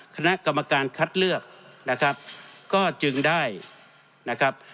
คณะกรรมการคัดเลือกนะครับก็จึงได้นะครับ